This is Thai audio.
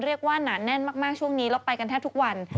หนาแน่นมากช่วงนี้แล้วไปกันแทบทุกวัน